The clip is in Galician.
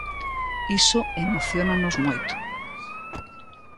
Iso emociónanos moito.